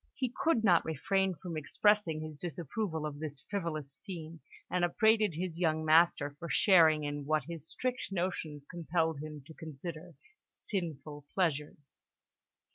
He could not refrain from expressing his disapproval of this frivolous scene, and upbraided his young master for sharing in what his strict notions compelled him to consider sinful pleasures.